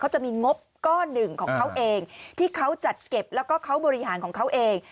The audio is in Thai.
จะมีงบก้อนหนึ่งของเขาเองที่เขาจัดเก็บแล้วก็เขาบริหารของเขาเอง